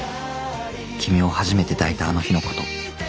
君を初めて抱いたあの日のこと。